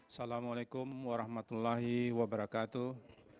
assalamu'alaikum warahmatullahi wabarakatuh